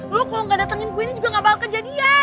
lo kalau nggak datangin gue ini juga gak bakal kejadian